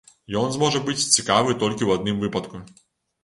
Ён зможа быць цікавы толькі ў адным выпадку.